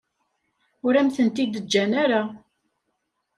Ur am-tent-id-ǧǧan ara.